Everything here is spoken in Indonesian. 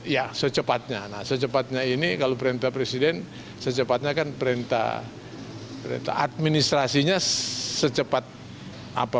ya secepatnya nah secepatnya ini kalau perintah presiden secepatnya kan perintah administrasinya secepat apa